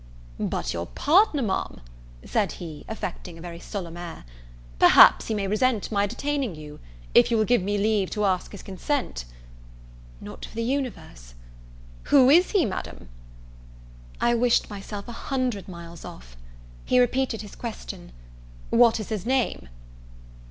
"But your partner, Ma'am?" said he, affecting a very solemn air, "perhaps he may resent my detaining you: if you will give me leave to ask his consent " "Not for the universe." "Who is he, Madam?" I wished myself a hundred miles off. He repeated his question, "What is his name?"